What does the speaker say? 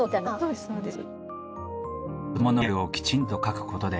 そうですか。